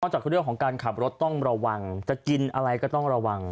จากเรื่องของการขับรถต้องระวังจะกินอะไรก็ต้องระวัง